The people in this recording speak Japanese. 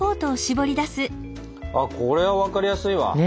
あこれは分かりやすいわ。ね！